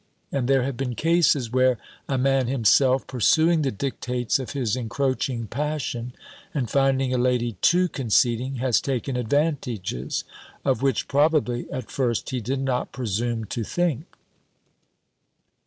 And there have been cases, where a man himself, pursuing the dictates of his incroaching passion, and finding a lady too conceding, has taken advantages, of which, probably, at first he did not presume to think."